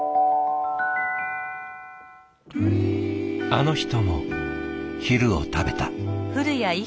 あの人も昼を食べた。